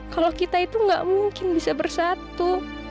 kalo kita itu ga mungkin bisa bersatu